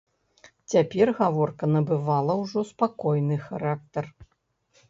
Цяпер гаворка набывала ўжо спакойны характар.